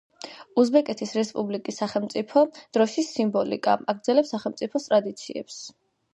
უზბეკეთის რესპუბლიკის სახელმწიფო დროშის სიმბოლიკა აგრძელებს სახელმწიფოს ტრადიციებს.